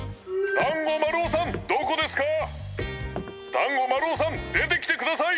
だんごまるおさんでてきてください！